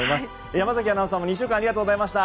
山崎アナウンサーも２週間ありがとうございました。